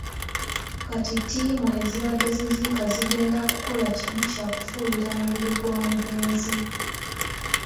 Kati ttiimu ezibadde ziziika zigenda kukola kimu kya kufuuyira mubiri gwa mugenzi.